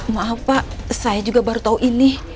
maaf pak saya juga baru tahu ini